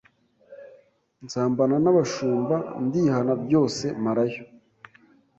nsambana n’abashumba, ndihana byose marayo